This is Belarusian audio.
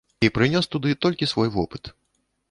І прынёс туды толькі свой вопыт.